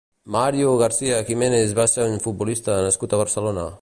Mario García Jiménez va ser un futbolista nascut a Barcelona.